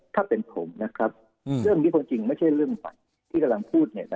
ถ้าเป็นผมนะครับเรื่องนี้คนจริงไม่ใช่เรื่องใหม่ที่กำลังพูด